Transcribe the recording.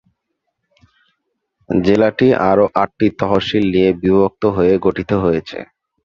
জেলাটি আরও আটটি তহশিল নিয়ে বিভক্ত হয়ে গঠিত হয়েছে।